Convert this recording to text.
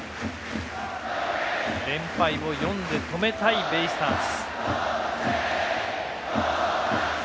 連敗を４で止めたいベイスターズ。